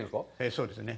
そうですね。